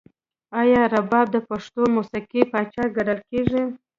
آیا رباب د پښتو موسیقۍ پاچا نه ګڼل کیږي؟